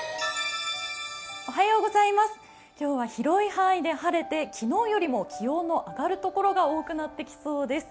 今日は広い範囲で晴れて、昨日よりも気温も上がる所が多くなりそうです。